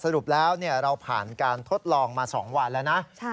สรุปแล้วเราผ่านการทดลองมา๒วันแล้วนะ